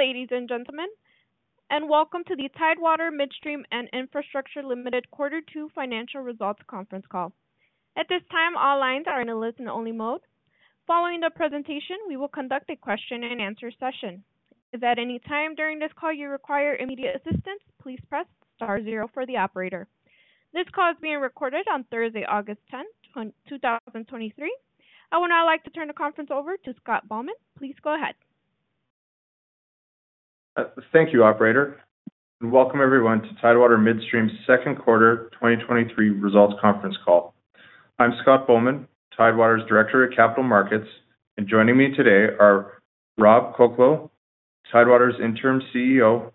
Good afternoon, ladies and gentlemen, and welcome to the Tidewater Midstream and Infrastructure Ltd. Quarter Two Financial Results Conference Call. At this time, all lines are in a listen-only mode. Following the presentation, we will conduct a question and answer session. If at any time during this call you require immediate assistance, please press star zero for the operator. This call is being recorded on Thursday, August 10th, 2023. I would now like to turn the conference over to Scott Bowman. Please go ahead. Thank you, operator, welcome everyone to Tidewater Midstream's second quarter 2023 results conference call. I'm Scott Bowman, Tidewater's Director of Capital Markets, joining me today are Robert Colcleugh, Tidewater's Interim CEO,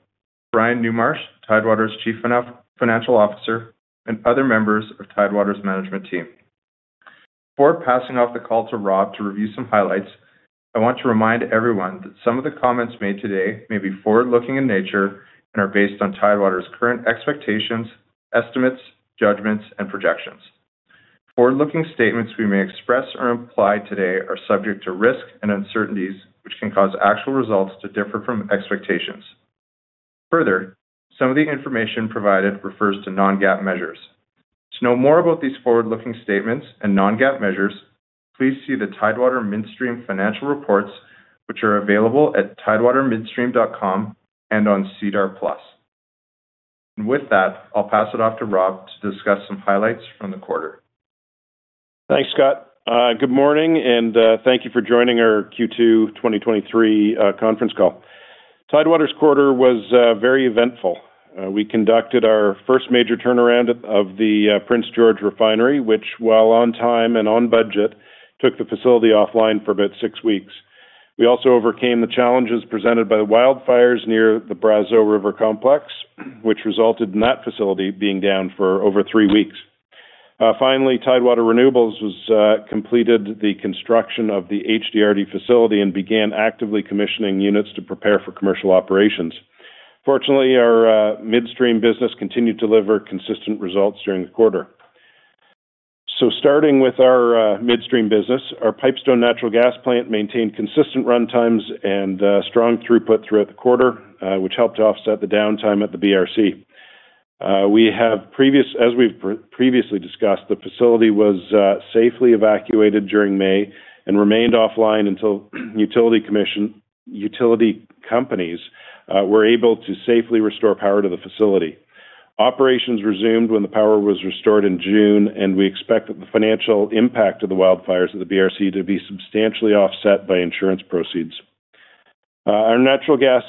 Brian Newmarch, Tidewater's Chief Financial Officer, and other members of Tidewater's management team. Before passing off the call to Rob to review some highlights, I want to remind everyone that some of the comments made today may be forward-looking in nature and are based on Tidewater's current expectations, estimates, judgments, and projections. Forward-looking statements we may express or imply today are subject to risk and uncertainties, which can cause actual results to differ from expectations. Further, some of the information provided refers to non-GAAP measures. To know more about these forward-looking statements and non-GAAP measures, please see the Tidewater Midstream financial reports, which are available at tidewatermidstream.com and on SEDAR+. With that, I'll pass it off to Rob to discuss some highlights from the quarter. Thanks, Scott. Good morning, and thank you for joining our Q2 2023 conference call. Tidewater's quarter was very eventful. We conducted our first major turnaround of the Prince George Refinery, which, while on time and on budget, took the facility offline for about 6 weeks. We also overcame the challenges presented by the wildfires near the Brazeau River Complex, which resulted in that facility being down for over 3 weeks. Finally, Tidewater Renewables was completed the construction of the HDRD facility and began actively commissioning units to prepare for commercial operations. Fortunately, our midstream business continued to deliver consistent results during the quarter. Starting with our midstream business, our Pipestone Gas Plant plant maintained consistent runtimes and strong throughput throughout the quarter, which helped to offset the downtime at the BRC. We have previously discussed, the facility was safely evacuated during May and remained offline until, utility commission, utility companies, were able to safely restore power to the facility. Operations resumed when the power was restored in June. We expect that the financial impact of the wildfires at the BRC to be substantially offset by insurance proceeds. Our natural gas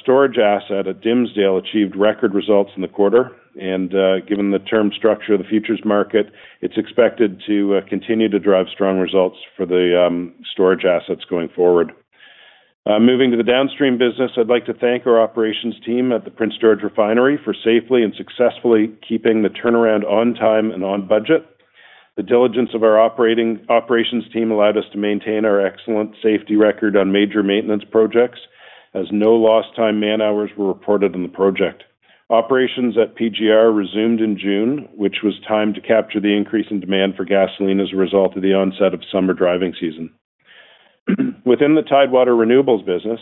storage asset at Dimsdale achieved record results in the quarter. Given the term structure of the features market, it's expected to continue to drive strong results for the storage assets going forward. Moving to the downstream business, I'd like to thank our operations team at the Prince George Refinery for safely and successfully keeping the turnaround on time and on budget. The diligence of our operating, operations team allowed us to maintain our excellent safety record on major maintenance projects, as no lost time man-hours were reported in the project. Operations at PGR resumed in June, which was timed to capture the increase in demand for gasoline as a result of the onset of summer driving season. Within the Tidewater Renewables business,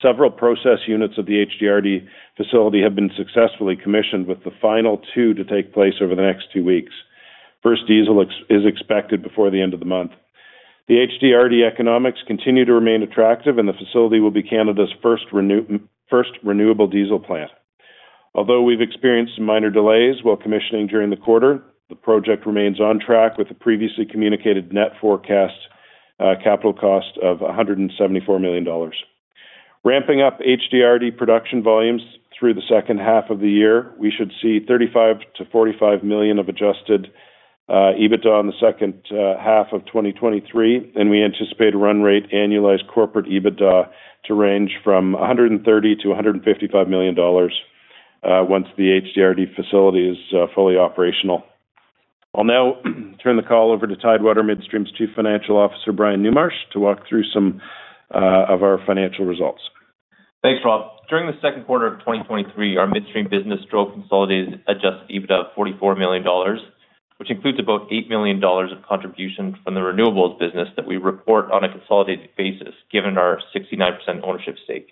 several process units of the HDRD facility have been successfully commissioned, with the final two to take place over the next two weeks. First diesel is expected before the end of the month. The HDRD economics continue to remain attractive and the facility will be Canada's first renewable diesel plant. Although we've experienced some minor delays while commissioning during the quarter, the project remains on track with the previously communicated net forecast capital cost of $174 million. Ramping up HDRD production volumes through the second half of the year, we should see $35 million-$45 million of adjusted EBITDA on the second half of 2023. We anticipate a run rate annualized corporate EBITDA to range from $130 million-$155 million once the HDRD facility is fully operational. I'll now turn the call over to Tidewater Midstream's Chief Financial Officer, Brian Newmarch, to walk through some of our financial results. Thanks, Rob. During the second quarter of 2023, our midstream business drove consolidated Adjusted EBITDA of $44 million, which includes about $8 million of contribution from the renewables business that we report on a consolidated basis, given our 69% ownership stake.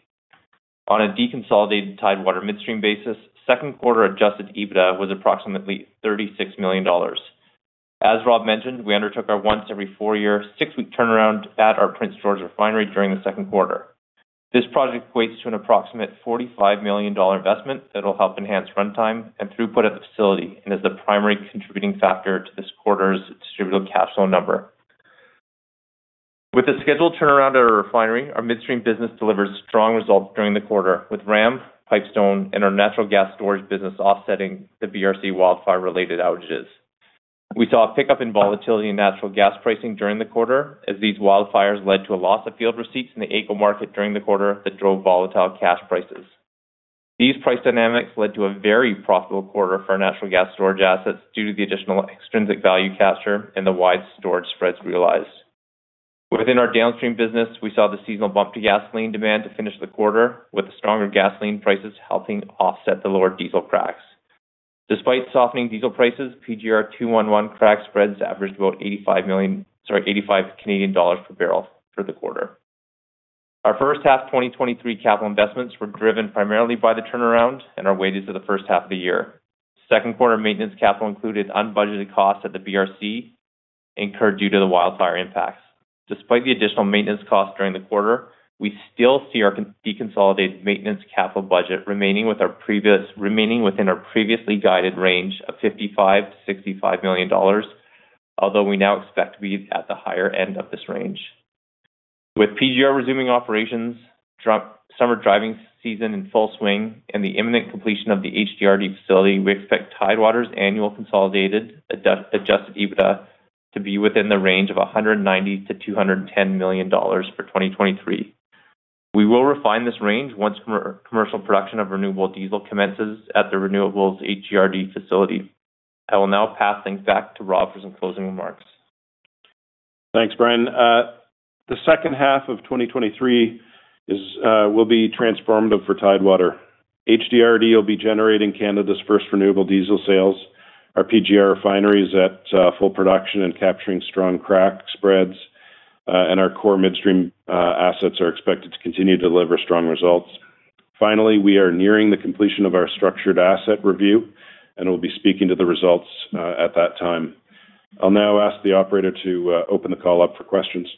On a deconsolidated Tidewater Midstream basis, second quarter Adjusted EBITDA was approximately $36 million. As Rob mentioned, we undertook our once every 4-year, 6-week turnaround at our Prince George Refinery during the second quarter. This project equates to an approximate $45 million investment that will help enhance runtime and throughput at the facility and is the primary contributing factor to this quarter's distributable cash flow number. With the scheduled turnaround at our refinery, our midstream business delivered strong results during the quarter, with RAM, Pipestone, and our natural gas storage business offsetting the BRC wildfire-related outages. We saw a pickup in volatility in natural gas pricing during the quarter, as these wildfires led to a loss of field receipts in the AECO market during the quarter that drove volatile cash prices. These price dynamics led to a very profitable quarter for our natural gas storage assets due to the additional extrinsic value capture and the wide storage spreads realized. Within our downstream business, we saw the seasonal bump to gasoline demand to finish the quarter, with stronger gasoline prices helping offset the lower diesel cracks. Despite softening diesel prices, PGR 2-1-1 crack spreads averaged about 85 million, sorry, 85 Canadian dollars per barrel for the quarter. Our first half, 2023 capital investments were driven primarily by the turnaround and are weighted to the first half of the year. Second quarter maintenance capital included unbudgeted costs at the BRC incurred due to the wildfire impacts. Despite the additional maintenance costs during the quarter, we still see our deconsolidated maintenance capital budget remaining within our previously guided range of 55 million-65 million dollars, although we now expect to be at the higher end of this range. With PGR resuming operations, summer driving season in full swing, and the imminent completion of the HDRD facility, we expect Tidewater's annual consolidated Adjusted EBITDA to be within the range of 190 million-210 million dollars for 2023. We will refine this range once commercial production of renewable diesel commences at the renewables HDRD facility. I will now pass things back to Rob for some closing remarks. Thanks, Brian. The second half of 2023 is, will be transformative for Tidewater. HDRD will be generating Canada's first renewable diesel sales. Our PGR refinery is at full production and capturing strong crack spreads, our core midstream assets are expected to continue to deliver strong results. Finally, we are nearing the completion of our structured asset review, and we'll be speaking to the results at that time. I'll now ask the operator to open the call up for questions.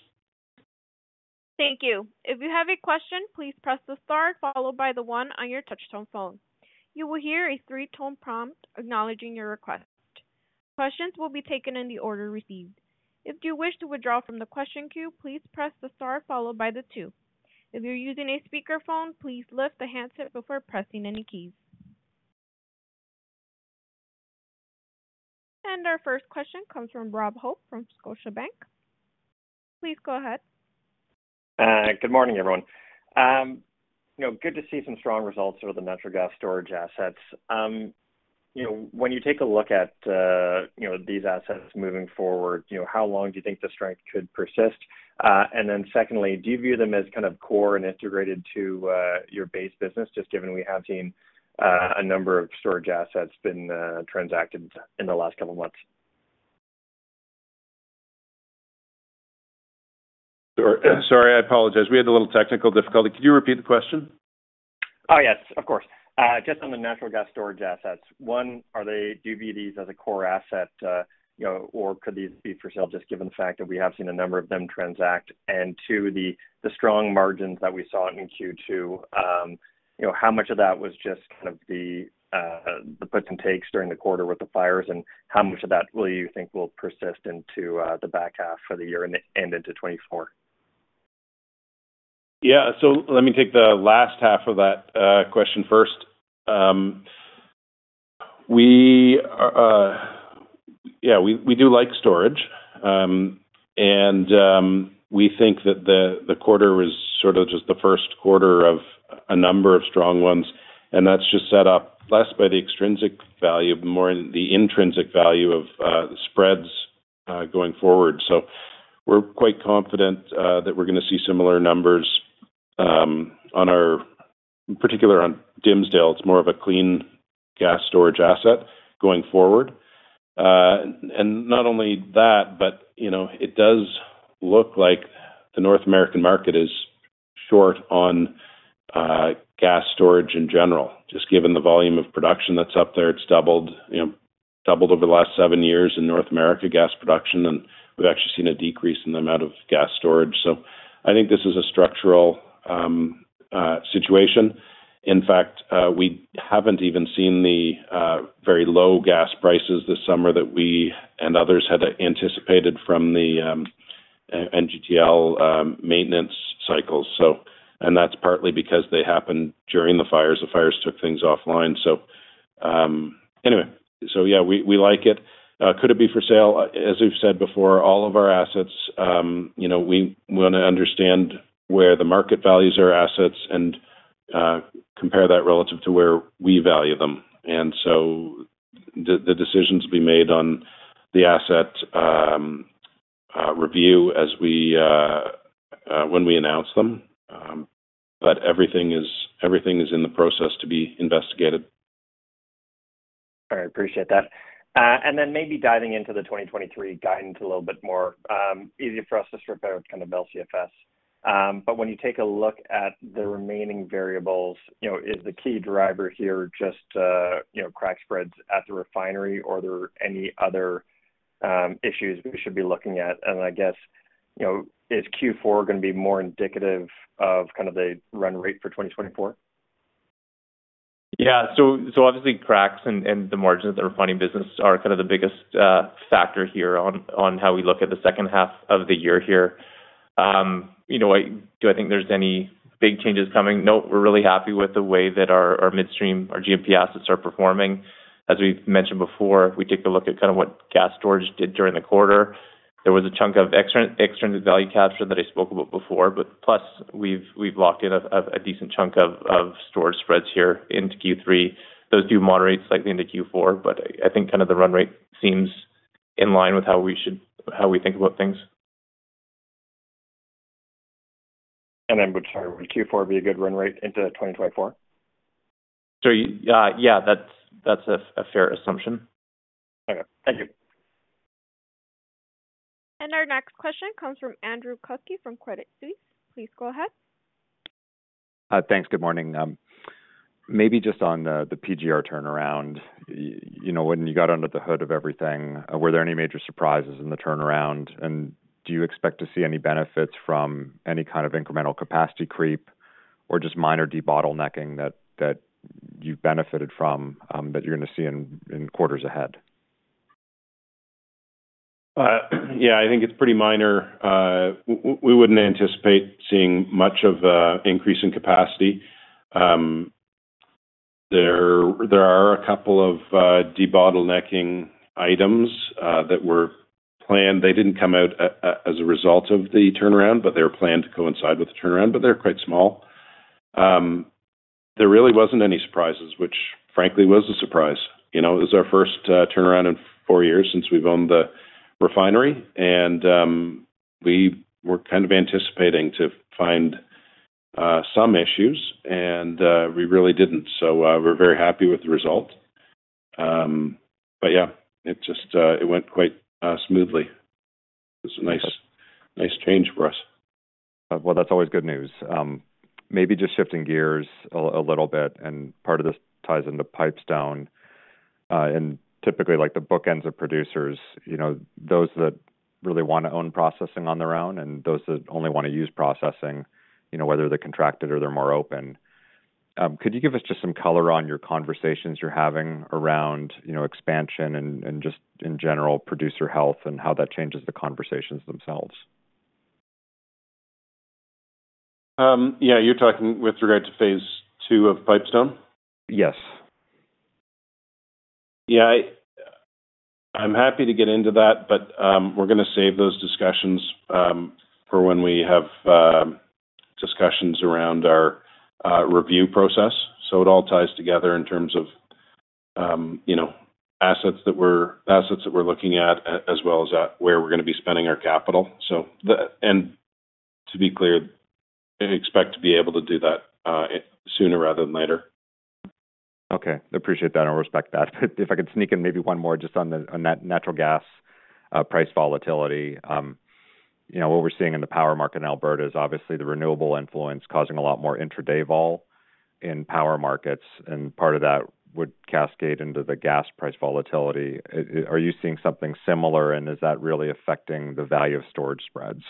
Thank you. If you have a question, please press the star followed by the one on your touchtone phone. You will hear a three-tone prompt acknowledging your request. Questions will be taken in the order received. If you wish to withdraw from the question queue, please press the star followed by the two. If you're using a speakerphone, please lift the handset before pressing any keys. Our first question comes from Robert Hope from Scotiabank. Please go ahead. Good morning, everyone. You know, good to see some strong results with the natural gas storage assets. You know, when you take a look at, you know, these assets moving forward, you know, how long do you think the strength could persist? Then secondly, do you view them as kind of core and integrated to your base business, just given we have seen a number of storage assets been transacted in the last couple of months? Sorry, I apologize. We had a little technical difficulty. Could you repeat the question? Oh, yes, of course. Just on the natural gas storage assets, 1, do you view these as a core asset, you know, or could these be for sale, just given the fact that we have seen a number of them transact? 2, the strong margins that we saw in Q2, you know, how much of that was just kind of the puts and takes during the quarter with the fires, and how much of that will you think will persist into the back half for the year and into 2024? Yeah. Let me take the last half of that question first. We are, yeah, we, we do like storage. We think that the quarter was sort of just the first quarter of a number of strong ones, and that's just set up less by the extrinsic value, but more in the intrinsic value of the spreads going forward. We're quite confident that we're gonna see similar numbers on our, particular on Dimsdale. It's more of a clean gas storage asset going forward. Not only that, but, you know, it does look like the North American market is short on gas storage in general, just given the volume of production that's up there. It's doubled, you know, doubled over the last 7 years in North America, gas production, and we've actually seen a decrease in the amount of gas storage. I think this is a structural situation. In fact, we haven't even seen the very low gas prices this summer that we and others had anticipated from the NGTL maintenance cycles. And that's partly because they happened during the fires. The fires took things offline. Anyway, yeah, we, we like it. Could it be for sale? As we've said before, all of our assets, you know, we want to understand where the market values our assets and compare that relative to where we value them. The decisions be made on the asset review as we when we announce them. Everything is, everything is in the process to be investigated. All right. Appreciate that. Then maybe diving into the 2023 guidance a little bit more, easier for us to strip out kind of LCFS. When you take a look at the remaining variables, you know, is the key driver here just, you know, crack spreads at the refinery, or are there any other issues we should be looking at? I guess, you know, is Q4 going to be more indicative of kind of the run rate for 2024? Yeah. Obviously, cracks and the margins of the refining business are kind of the biggest factor here on how we look at the second half of the year here. You know, I do I think there's any big changes coming? Nope. We're really happy with the way that our, our midstream, our GMP assets are performing. As we've mentioned before, if we take a look at kind of what gas storage did during the quarter, there was a chunk of extrinsic value capture that I spoke about before, plus, we've, we've locked in a decent chunk of storage spreads here into Q3. Those do moderate slightly into Q4, but I think kind of the run rate seems in line with how we should how we think about things. ... sorry, would Q4 be a good run rate into 2024? Yeah, that's, that's a, a fair assumption. Okay, thank you. Our next question comes from Andrew Kuske from Credit Suisse. Please go ahead. Thanks. Good morning. Maybe just on the, the PGR turnaround. You know, when you got under the hood of everything, were there any major surprises in the turnaround? Do you expect to see any benefits from any kind of incremental capacity creep or just minor debottlenecking that, that you've benefited from, that you're gonna see in, in quarters ahead? Yeah, I think it's pretty minor. We wouldn't anticipate seeing much of a increase in capacity. There, there are a couple of debottlenecking items that were planned. They didn't come out as a result of the turnaround, but they were planned to coincide with the turnaround, but they're quite small. There really wasn't any surprises, which frankly, was a surprise. You know, it was our first turnaround in four years since we've owned the refinery, and we were kind of anticipating to find some issues, and we really didn't. We're very happy with the result. Yeah, it just, it went quite smoothly. It's a nice, nice change for us. Well, that's always good news. Maybe just shifting gears a little bit, part of this ties into Pipestone. Typically, like, the bookends of producers, you know, those that really want to own processing on their own and those that only want to use processing, you know, whether they're contracted or they're more open. Could you give us just some color on your conversations you're having around, you know, expansion and just in general, producer health, and how that changes the conversations themselves? Yeah, you're talking with regard to phase II of Pipestone? Yes. Yeah, I, I'm happy to get into that, but, we're gonna save those discussions, for when we have, discussions around our, review process. It all ties together in terms of, you know, assets that we're looking at, as well as, where we're gonna be spending our capital. To be clear, I expect to be able to do that, sooner rather than later. Okay, appreciate that and respect that. If I could sneak in maybe one more just on the natural gas price volatility. You know, what we're seeing in the power market in Alberta is obviously the renewable influence causing a lot more intraday vol in power markets, and part of that would cascade into the gas price volatility. Are you seeing something similar, and is that really affecting the value of storage spreads?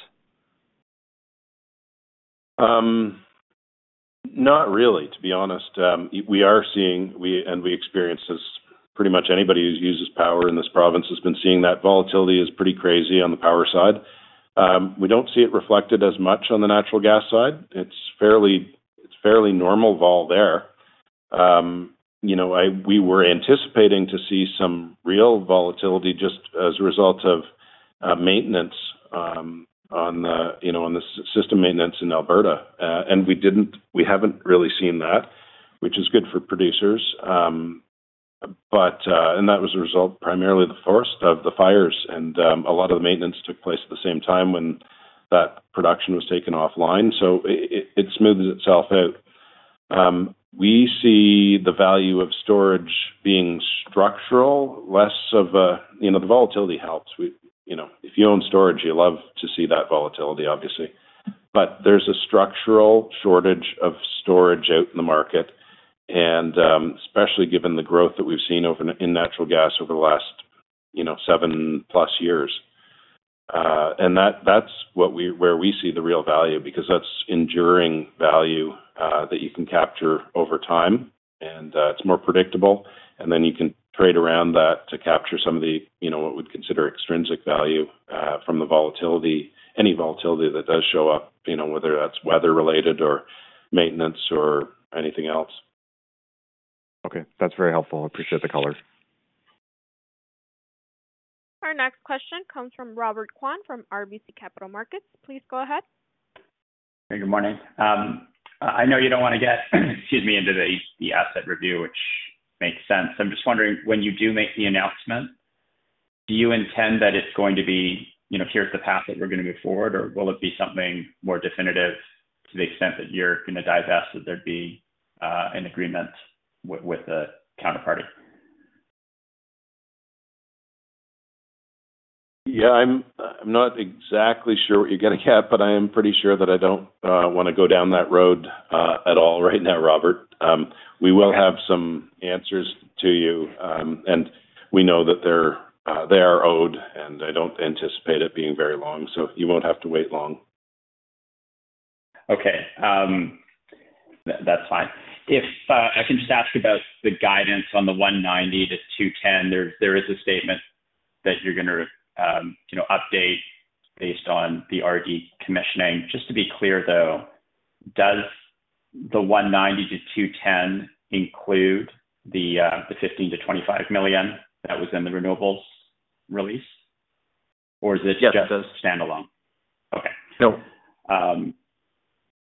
Not really, to be honest. We are seeing, we... And we experienced this, pretty much anybody who uses power in this province has been seeing that volatility is pretty crazy on the power side. We don't see it reflected as much on the natural gas side. It's fairly, it's fairly normal vol there. You know, I-- we were anticipating to see some real volatility just as a result of maintenance, on the, you know, on the system maintenance in Alberta. We didn't-- we haven't really seen that, which is good for producers. But... That was a result, primarily the forest of the fires, and a lot of the maintenance took place at the same time when that production was taken offline, so it, it, it smoothed itself out. We see the value of storage being structural, less of a. You know, the volatility helps. You know, if you own storage, you love to see that volatility, obviously. There's a structural shortage of storage out in the market, and especially given the growth that we've seen over in natural gas over the last, you know, 7+ years. That's where we see the real value, because that's enduring value that you can capture over time, and it's more predictable. Then you can trade around that to capture some of the, you know, what we'd consider extrinsic value from the volatility, any volatility that does show up, you know, whether that's weather-related or maintenance or anything else. Okay. That's very helpful. I appreciate the color. Our next question comes from Robert Kwan, from RBC Capital Markets. Please go ahead. Good morning. I know you don't want to get, excuse me, into the, the asset review, which makes sense. I'm just wondering, when you do make the announcement, do you intend that it's going to be, you know, here's the path that we're gonna move forward, or will it be something more definitive to the extent that you're gonna divest, that there'd be an agreement with the counterparty? Yeah, I'm, I'm not exactly sure what you're gonna get, but I am pretty sure that I don't wanna go down that road at all right now, Robert. We will have some answers to you. We know that they're they are owed. I don't anticipate it being very long. You won't have to wait long. Okay, that's fine. If, I can just ask about the guidance on the 190 million-210 million. There, there is a statement that you're gonna, you know, update based on the RD commissioning. Just to be clear, though, does the 190 million-210 million include the 15 million-25 million that was in the renewables release? Is this. Yes, it does. just standalone? Okay. So-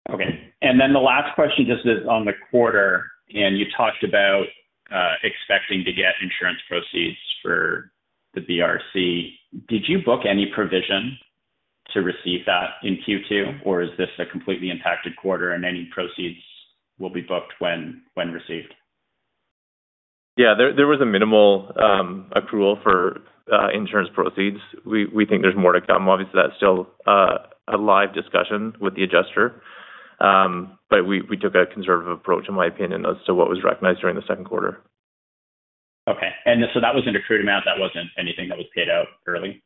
Okay. The last question just is on the quarter, and you talked about expecting to get insurance proceeds the BRC, did you book any provision to receive that in Q2, or is this a completely impacted quarter and any proceeds will be booked when, when received? Yeah, there, there was a minimal accrual for insurance proceeds. We, we think there's more to come. Obviously, that's still a live discussion with the adjuster. We, we took a conservative approach, in my opinion, as to what was recognized during the second quarter. Okay. That was an accrued amount, that wasn't anything that was paid out early?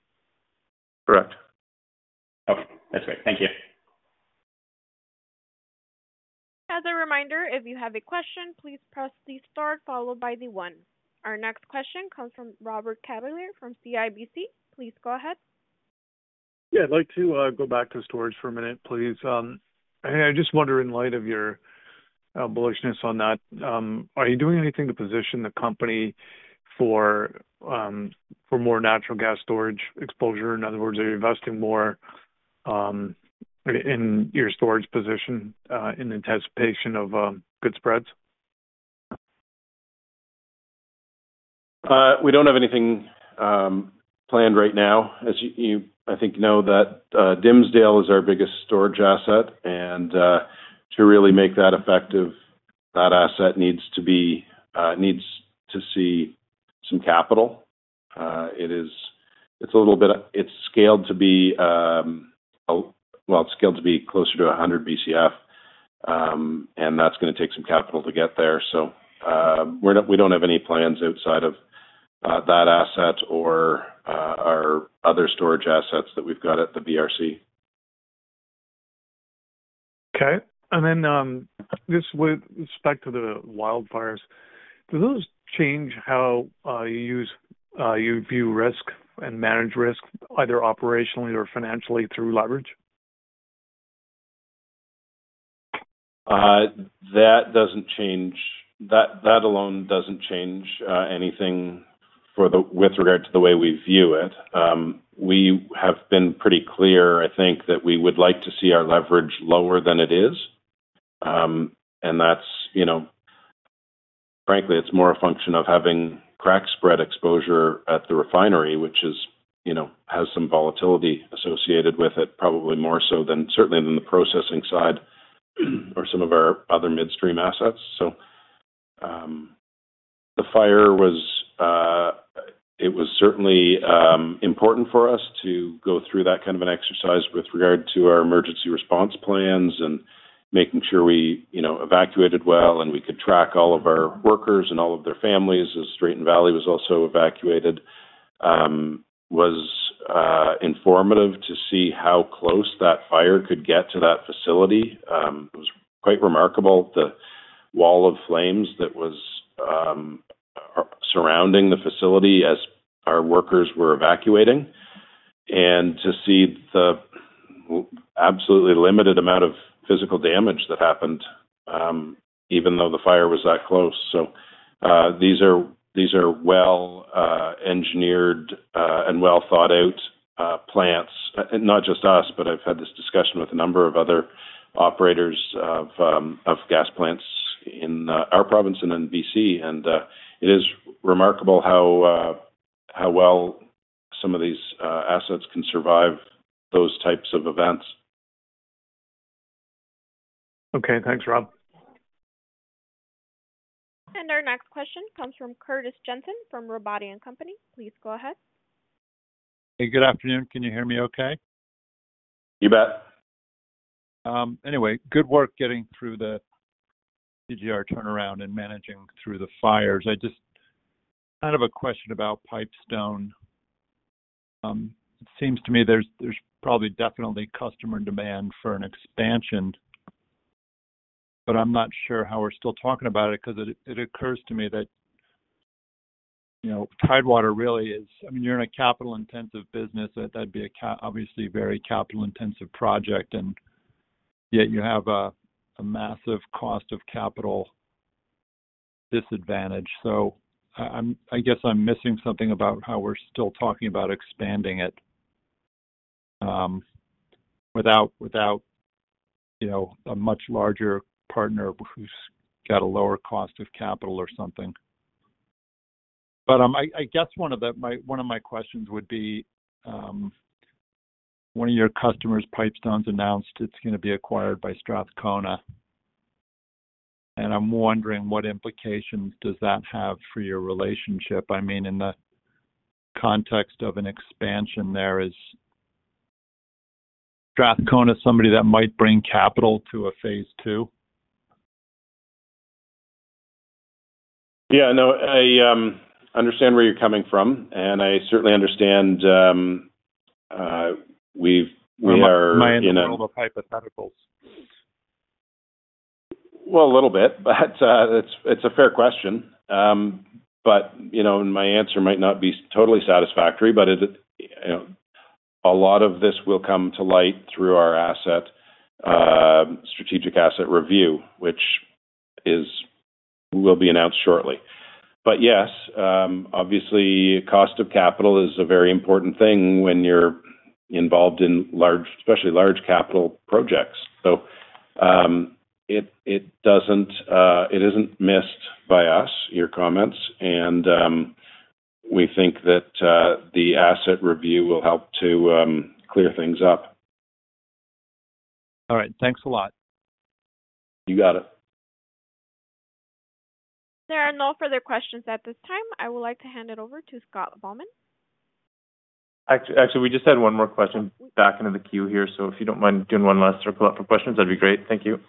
Correct. Okay. That's great. Thank you. As a reminder, if you have a question, please press the star followed by the one. Our next question comes from Robert Catellier from CIBC. Please go ahead. Yeah. I'd like to go back to storage for a minute, please. I just wonder, in light of your bullishness on that, are you doing anything to position the company for more natural gas storage exposure? In other words, are you investing more in your storage position, in anticipation of good spreads? We don't have anything planned right now. As you, you, I think, know that Dimsdale is our biggest storage asset, and to really make that effective, that asset needs to be needs to see some capital. It's scaled to be closer to 100 BCF, and that's gonna take some capital to get there. We don't have any plans outside of that asset or our other storage assets that we've got at the BRC. Okay. Then, just with respect to the wildfires, do those change how, you use, you view risk and manage risk, either operationally or financially through leverage? That doesn't change. That, that alone doesn't change anything for the, with regard to the way we view it. We have been pretty clear, I think, that we would like to see our leverage lower than it is. That's, you know, frankly, it's more a function of having crack spread exposure at the refinery, which is, you know, has some volatility associated with it, probably more so than, certainly than the processing side or some of our other midstream assets. The fire was, it was certainly important for us to go through that kind of an exercise with regard to our emergency response plans and making sure we, you know, evacuated well, and we could track all of our workers and all of their families as Drayton Valley was also evacuated. was informative to see how close that fire could get to that facility. It was quite remarkable, the wall of flames that was surrounding the facility as our workers were evacuating, and to see the absolutely limited amount of physical damage that happened, even though the fire was that close. These are, these are well engineered and well-thought-out plants. Not just us, but I've had this discussion with a number of other operators of gas plants in our province and in BC, and it is remarkable how well some of these assets can survive those types of events. Okay. Thanks, Rob. Our next question comes from Curtis Jensen, from Robotti & Company. Please go ahead. Hey, good afternoon. Can you hear me okay? You bet. Anyway, good work getting through the PGR turnaround and managing through the fires. I just kind of a question about Pipestone. It seems to me there's, there's probably definitely customer demand for an expansion, but I'm not sure how we're still talking about it, because it, it occurs to me that, you know, Tidewater really is... I mean, you're in a capital-intensive business. That'd be obviously, a very capital-intensive project, and yet you have a, a massive cost of capital disadvantage. I guess I'm missing something about how we're still talking about expanding it, without, without, you know, a much larger partner who's got a lower cost of capital or something. I, I guess one of my questions would be, one of your customers, Pipestone, announced it's gonna be acquired by Strathcona, and I'm wondering what implications does that have for your relationship? I mean, in the context of an expansion there, is Strathcona somebody that might bring capital to a phase II? Yeah, no, I understand where you're coming from, and I certainly understand, we've, we are, you know... Am I in the middle of hypotheticals? A little bit, but it's, it's a fair question. You know, my answer might not be totally satisfactory, but it, it, you know, a lot of this will come to light through our asset, strategic asset review, which is, will be announced shortly. Yes, obviously, cost of capital is a very important thing when you're involved in large, especially large capital projects. It, it doesn't, it isn't missed by us, your comments, and we think that the asset review will help to clear things up. All right, thanks a lot. You got it. There are no further questions at this time. I would like to hand it over to Scott Bowman. Actually, we just had one more question back into the queue here, so if you don't mind doing one last circle up for questions, that'd be great. Thank you.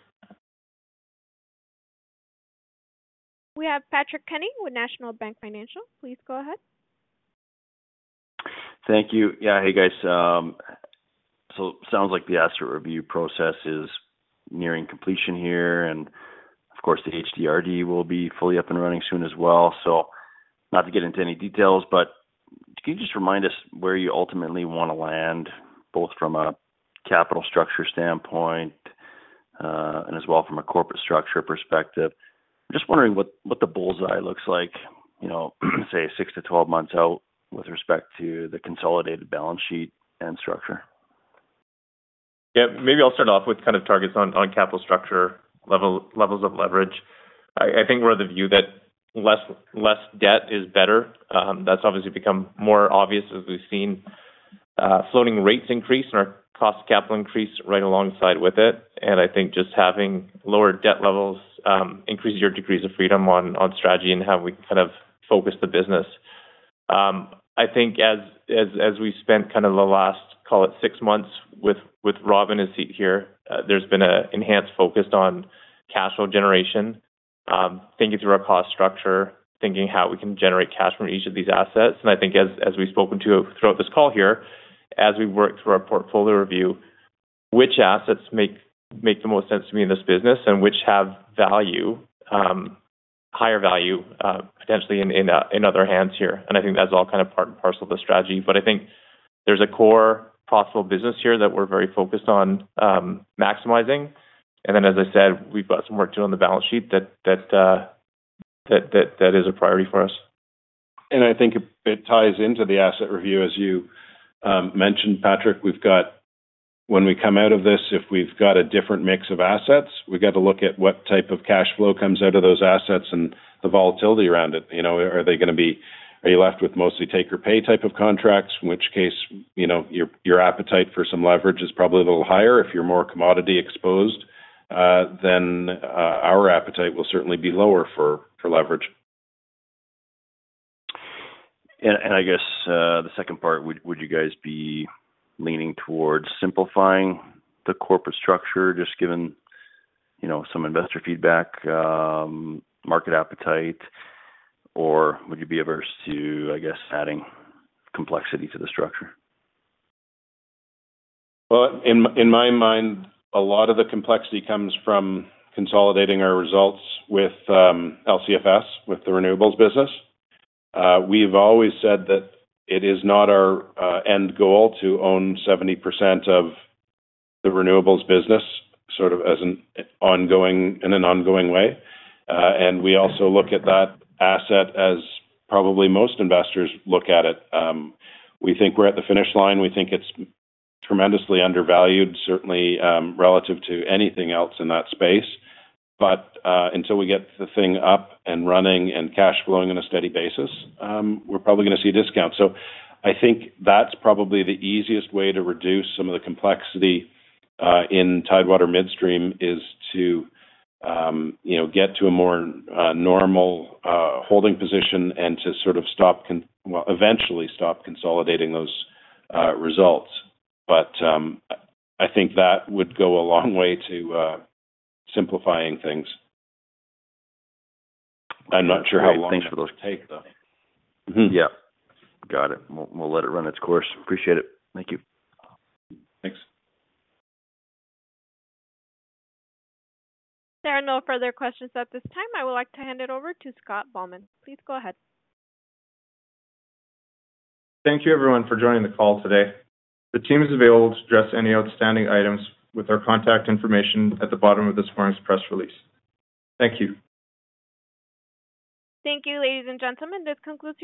We have Patrick Kenny with National Bank Financial. Please go ahead. Thank you. Yeah. Hey, guys. Sounds like the asset review process is nearing completion here, and of course, the HDRD will be fully up and running soon as well. Not to get into any details, but can you just remind us where you ultimately want to land, both from a capital structure standpoint, and as well from a corporate structure perspective? I'm just wondering what, what the bull's eye looks like, you know, say, 6 to 12 months out with respect to the consolidated balance sheet and structure. Yeah. Maybe I'll start off with kind of targets on, on capital structure, level, levels of leverage. I, I think we're of the view that less, less debt is better. That's obviously become more obvious as we've seen floating rates increase and our cost of capital increase right alongside with it. I think just having lower debt levels increases your degrees of freedom on strategy and how we kind of focus the business. I think as, as, as we've spent kind of the last, call it six months, with, with Rob in seat here, there's been a enhanced focus on cash flow generation, thinking through our cost structure, thinking how we can generate cash from each of these assets. I think as, as we've spoken to throughout this call here, as we work through our portfolio review, which assets make, make the most sense to me in this business and which have value, higher value, potentially in, in other hands here. I think that's all kind of part and parcel of the strategy. I think there's a core possible business here that we're very focused on, maximizing. Then, as I said, we've got some work to do on the balance sheet that, that, that, that, that is a priority for us. I think it, it ties into the asset review, as you mentioned, Patrick. We've got-- When we come out of this, if we've got a different mix of assets, we've got to look at what type of cash flow comes out of those assets and the volatility around it. You know, are they gonna be-- Are you left with mostly take-or-pay type of contracts, in which case, you know, your, your appetite for some leverage is probably a little higher. If you're more commodity exposed, then our appetite will certainly be lower for, for leverage. I guess, the second part, would you guys be leaning towards simplifying the corporate structure, just given, you know, some investor feedback, market appetite, or would you be averse to, I guess, adding complexity to the structure? Well, in in my mind, a lot of the complexity comes from consolidating our results with LCFS, with the renewables business. We've always said that it is not our end goal to own 70% of the renewables business, sort of as in an ongoing way. We also look at that asset as probably most investors look at it. We think we're at the finish line. We think it's tremendously undervalued, certainly, relative to anything else in that space. Until we get the thing up and running and cash flowing on a steady basis, we're probably gonna see a discount. I think that's probably the easiest way to reduce some of the complexity in Tidewater Midstream, is to, you know, get to a more normal holding position and to sort of Well, eventually stop consolidating those results. I think that would go a long way to simplifying things. I'm not sure how long it will take, though. Mm-hmm. Yeah. Got it. We'll, we'll let it run its course. Appreciate it. Thank you. Thanks. There are no further questions at this time. I would like to hand it over to Scott Bowman. Please go ahead. Thank you, everyone, for joining the call today. The team is available to address any outstanding items with our contact information at the bottom of this morning's press release. Thank you. Thank you, ladies and gentlemen. This concludes.